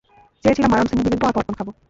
চেয়েছিলাম আরামসে মুভি দেখব আর পপকর্ন খাব।